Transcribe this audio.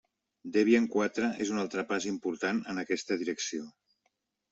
Debian quatre és un altre pas important en aquesta direcció.